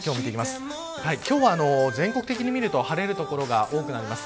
今日は、全国的に見ると晴れる所が多くなります。